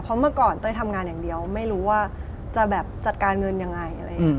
เพราะเมื่อก่อนเต้ยทำงานอย่างเดียวไม่รู้ว่าจะจัดการเงินอย่างไร